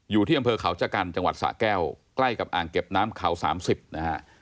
อยู่ที่อำเภอเขาชะกันจังหวัดสะแก้วใกล้กับอ่างเก็บน้ำเขา๓๐นะฮะ